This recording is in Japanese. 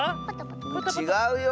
ちがうよ！